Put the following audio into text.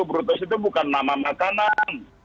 brutus itu bukan nama makanan